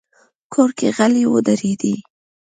کور کې غلې ودرېدې.